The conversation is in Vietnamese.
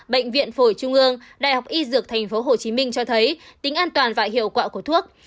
bệnh viện phổi trung ương đại học y dược tp hcm cho thấy tính an toàn và hiệu quả của thuốc